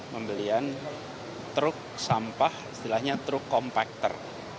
pembelian truk sampah istilahnya truk kompakter